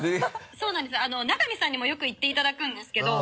そうなんです永見さんにもよく言っていただくんですけど。